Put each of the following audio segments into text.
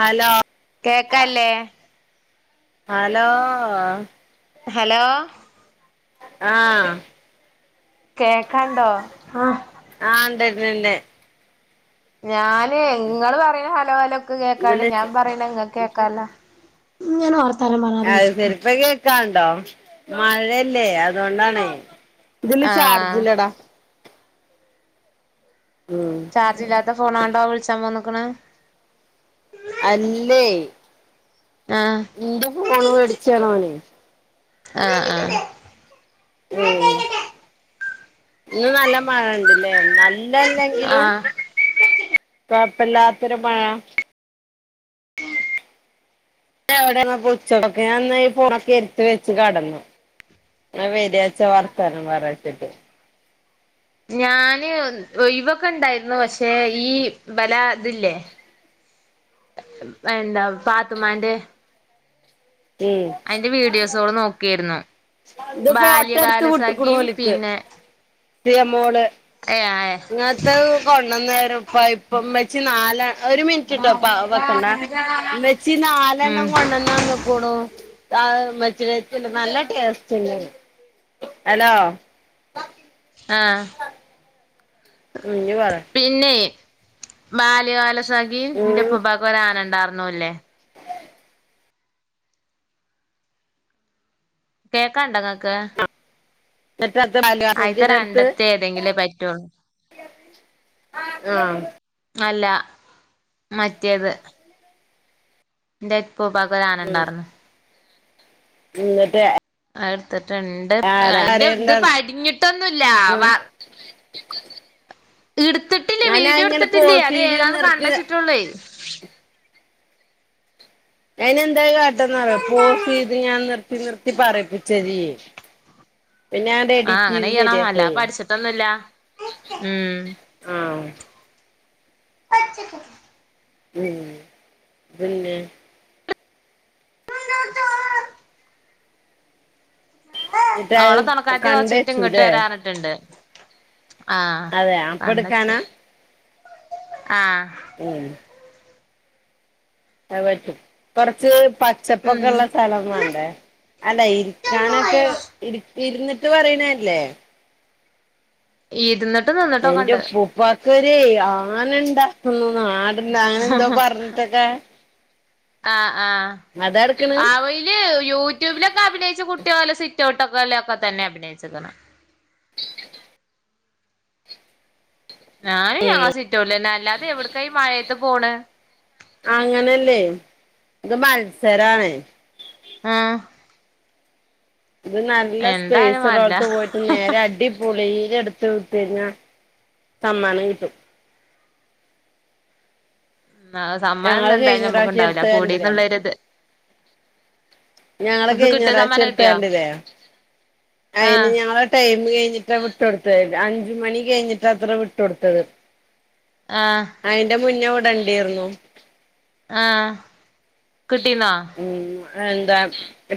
Hello കേക്കാല്ലേ hello hello ആഹ് കേക്കാണ്ടോ ആഹ് ആഹ് ഇണ്ട് ഇണ്ട് ഇണ്ട് ഞാന് ഇങ്ങള് പറയ്ണ ഹലോ വലാേ ഇക്ക് കേക്കാണ്ട് ഇതില് ഞാം പറയ് ണത് ഇങ്ങകേക്കാല്ല അത് സെരി ഇപ്പൊ കേക്കാണ്ടോ മഴല്ലേ അത് കൊണ്ടാണേ ഇതില് ചാർജ് ആഹ് ഇല്ലടാ ചാർജ് ഇല്ലാത്ത ഫോണാേണ്ടാ വിൾച്ചാം വന്ന്ക്ക്ണ് അല്ലേയ് ആഹ് ഇന്റെ ഫോണ് വേടിച്ച്യാണോലൈ ആഹ് ആഹ് ഉം ഇന്ന് നല്ല മഴണ്ട്ലെ നല്ലല്ലെങ്കിലും ആഹ് കാെഴപ്പല്ലാത്തൊരു മഴ എവടേര്ന്നു ഇപ്പൊ ഉച്ചക്കൊകെ ഞാൻ ഇന്ന് ഈ ഫോണൊക്കെ എര്ത്ത് വെച്ച് കടന്നു ഇങ്ങള് വെരിയാച്ച വർത്താനം പറയാച്ചിട്ട് ഞാന് ഒയ് വൊക്കെ ഇണ്ടായിര്ന്നു പക്ഷെ ഈ ഇബലാ ഇത് ല്ലേ എന്താ പാത്തുമ്മാന്റെ ഏഹ് ഐന്റെ വീഡിയോസാേള് നോക്കേര്ന്നു ഇത് ഫോട്ടോ എടുത്ത് വിട്ട്ക്ക്ണു ബാല്യകാലസഖിം ഓല്ക്ക് പിന്നെ [unintelligible] ഇന്നത്തെത് കൊണ്ടന്നെരും പൈപ്പ് ഇമ്മച്ചി നാല ഒരു മിൻ റ്റ്ട്ടോ പ്പ വെക്കണ്ട ഇമ്മച്ചി ഉം നാലെണ്ണം കൊണ്ടന്നന്ന്ക്കുണു അത് ഇമ്മച്ചിടെര്ത്ത് ഇണ്ട് നല്ല ടേസ്റ്റ്ണ്ട് ഹലോ ആഹ് ഉം ഇഞ്ഞ് പറെ പിന്നെെ ബാല്യകാല സഖിം ഇന്റെ ഉം ഇപ്പപാക്ക് ഒരാന ഇണ്ടാർന്നുനില്ലേ കേക്കാണ്ടഇങ്ങക്ക് നെറ്റർത്ത് ബാല്യകാലസഖിയാ അന്റെട്ത്ത് രണ്ടത്തെ ഏതെങ്കിലേ പറ്റുള്ളൂ ആഹ് മല്ല മറ്റേത് ഇന്റെ ഉപ്പൂപാക്ക് ഒര് ആന ഇണ്ടാർന്നു ഇന്ന്ട്ട് അത് ഇട്ത്ത്ട്ട്ണ്ട് ഐന്റെ ഇത് കരയണ്ടായിരുന്നു പടിഞ്ഞ്ട്ടൊന്നുല്ലാ വർ ഇട്ത്ത്ട്ടില്ലേയ് ഞാനാ വീഡിയോ ഇങ്ങനെ ഇട്ത്ത്ട്ടില്ലേയ് പോസ് അത് ചെയ്ത് ഏതാണ് നിർത്തി കണ്ടെച്ച്ട്ടൊള്ളേയ് അയിന് എന്താ കാട്ടെന്നറിയോ പോസെയ്ത് ഞാൻ നിർത്തി നിർത്തി പറയിപ്പിച്ചരി. ആഹ് അങ്ങനെയ്യണം അല്ലാഹ് പഠിച്ചിട്ടൊന്നുല്ല ഉം ഉം. പച്ചക്കിൽ [inaudible] ഉ പിന്നെ [inaudible] എന്നിട്ട് ഓളെ അത് തൊണക്കാരത്തി കൊറച്ചയിഞ്ഞിട്ട് ഇങ്ങോട്ട് കണ്ടേച്ചൂല്ലേ വരാ പറഞ്ഞിട്ടുണ്ട്. ആഹ് അതെ അപ്പ കണ്ടച്ചോ എടുക്കാനാ ആഹ്. ഉം. അത് പറ്റും. കൊറച്ച് പച്ചപ്പൊക്കെ ഉള്ള സ്ഥലം വാണ്ടേ? അല്ല ഇരിക്കാനൊക്കെ ഉം ഇരു ഇരുന്നിട്ട് പറയണല്ലേ? ഇരുന്നിട്ടും നിന്നിട്ടും ഒക്കണ്ട്. വർക്കൊരയ് ആനണ്ടാകുന്നു നാടുന്ന് അങ്ങനെന്തോ പറഞ്ഞിട്ടൊക്കെ? ആഹ് ആഹ് അതാ എടുക്കണ് ആവോയിൽ യൂട്യൂബിലൊക്കെ അഭിനയിച്ച കുട്ടി ഓലെ സിറ്റൗട്ട്ക്കോലോക്കെ തന്നെ അഭിനയിച്ക്കണ്. ഉ ഞാനും ഞങ്ങളെ സിറ്റൗട്ടിലന്നെ അല്ലാതെ എവ്ട്ക്കാ ഈ മഴയത്ത് പോണ്? അങ്ങനല്ലെ ഇത് മത്സരാണ്. ആഹ്. ഇത് നല്ല എന്തായാലും സ്പേസ് വേണ്ടില്ല ഉള്ളോട്ത്ത് പോയിട്ട് നേരെ അടി പുളിയില എടുത്ത് തിരിഞ്ഞ സമ്മാനം കിട്ടും. ആഹ് സമ്മാനം ഞങ്ങള് ഒന്ന എന്തായാലും കഴിഞ്ഞ പ്രാവശ്യം നമുക്ക്ണ്ടാവൂല്ല. എടുത്തത് കൂടീന്ന് കണ്ടില്ലേ ഉള്ളൊരിത്. ഞങ്ങള് കഴിഞ്ഞ പ്രാവിശ്യ എടുത്ത കിട്ടിയോ കണ്ടില്ലേ? ആഹ് അയിന് ഞങ്ങളെ ടൈമ് കഴിഞ്ഞിട്ടാ വിട്ടൊടുത്തെ. അഞ്ച് മണി കഴിഞ്ഞിട്ടാത്രെ വിട്ടൊടുത്തത്. ആഹ്. അയിന്റെ മുന്നേ ഇവിടേണ്ടർന്നു. ആഹ് കിട്ടീന്നോ? ഉം എന്താ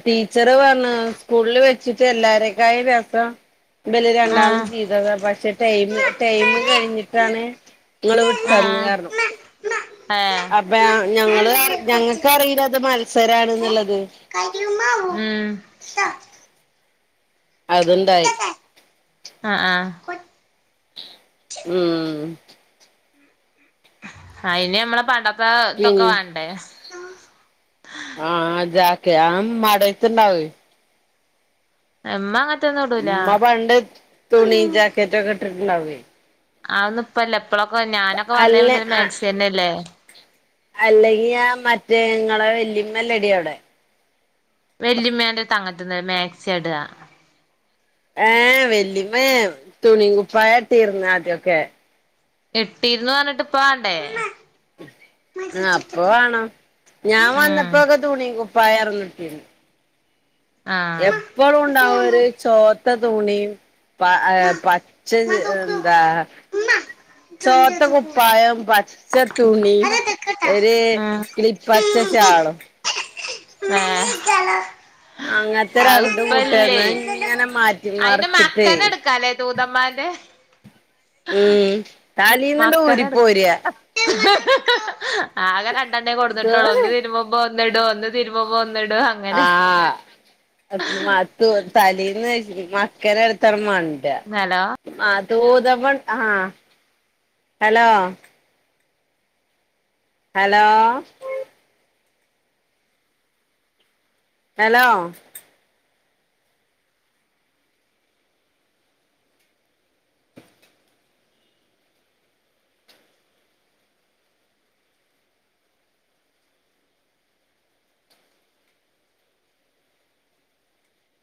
ടീച്ചറ് പറഞ്ഞ സ്കൂളിൽ വെ ച്ചിട്ട്‌ എല്ലാരക്കായി രസം ഇബല് രണ്ടാളും ആഹ് ചെയ്തതാ. പക്ഷെ ടൈംമ് ടൈംമ് കഴിഞ്ഞിട്ടാണ് ങ്ങള് വിട്ടന്ന് പറഞ്ഞു. ആഹ് അപ്പ ഞങ്ങള് ഏഹ് ഞങ്ങൾക്ക് അറീല ഇത് മത്സരാണ്ന്നുള്ളത്. ഉം. അതുണ്ടായി. ഇട്ടട്ടെ ആഹ് ആഹ്. ഉം. അയിന് നമ്മളെ പണ്ടത്തെ ഇതൊക്കെ പിന്നെ വാണ്ടേ? ആഹ് അതാക്കെ, ആമ്മാടത്ത്ണ്ടാവയ്. ഇമ്മ അങ്ങനത്തൊന്നും. ഇടൂല ഇമ്മ പണ്ട്, തുണി, ജാക്കറ്റ് ഒക്കെ ഇട്ടിട്ടുണ്ടാവെയ്. ആന്നും ഇപ്പല്ല. ഇപ്പളൊക്കെ ഞാനൊക്കെ വന്ന അല്ല മുതല് മാക്സീയന്നല്ലേ? അല്ലെങ്കി ആഹ് മറ്റേ ഇങ്ങളെ വല്ലിമ്മല്ലെടീ അവിടെ? വെല്ലിമ്മേന്റെ തങ്ങത്തിന്ന്. മാക്സിയാ ഇടാ. ഏഹ്. വല്ലിമ്മേ തുണി കുപ്പായട്ടീർന്ന് ആദ്യൊക്കെ. ഇട്ടീർന്നു പറഞ്ഞിട്ട് ഇപ്പൊ വാണ്ടേ? ആഹ് അപ്പ വാണം. ഞാൻ ഉം വന്നപ്പോക്കെ തുണി കുപ്പായാർന്ന് ഇട്ടിന്. ആഹ് എപ്പളും ഉണ്ടാവും ഒരു ഉമ്മ ചോത്ത തുണി. ആഹ് ഇഹ് പച്ച ഇഹ് ഇതാ. ഇതൊന്ന് ചോത്ത എടുത്ത് പോ കുപ്പായം, പച്ച തുണി അതെടുക്കട്ടാ ഒരു ആഹ് കിളി പച്ച ഷാളും. തന്നെ. അങ്ങനത്തെ രണ്ട് അയ്പ്പല്ലേ. കൂട്ടന്ന് ഇങ്ങനെ മാറ്റി അയിന്റെ മറിച്ചിട്ടേ മക്കനെടുക്കാല്ലേ തൂതമ്മാന്റെ? ഉം. മക്കനെ താലീന്നതൂരി എടു പോരാ. ആകെ രണ്ടെണ്ണേ ഇത് കൊടുന്നിട്ടോള്ളൂ. ഒന്ന് തിരുമ്പുമ്പോ ഒന്ന്ടും. ഒന്ന്, തിരുമ്പുമ്പോ ഒന്നിടുവങ്ങനെ. മാ തലേന്ന് മക്കനെടുത്തട് മണ്ടയ. ഹലോ ആഹ് തൂതപ്പം ആഹ് ഹലോ ഹലോ ഹലോ